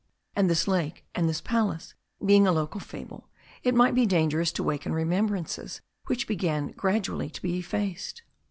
and this lake, and this palace, being a local fable, it might be dangerous to awaken remembrances which begin gradually to be effaced.